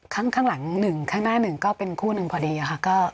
ข้างหลัง๑ข้างหน้าหนึ่งก็เป็นคู่หนึ่งพอดีค่ะ